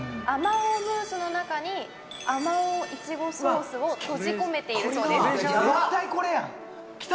おうムースの中にあまおう苺ソースを閉じ込めているそうですきた！